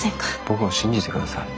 僕を信じてください。